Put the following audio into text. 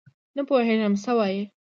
نه پوهېږم څه وایې ؟؟